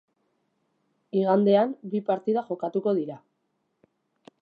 Igandean bi partida jokatuko dira.